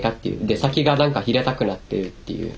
で先が何か平たくなっているっていう。